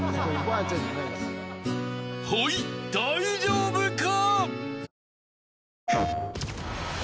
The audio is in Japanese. ［ほい大丈夫か？］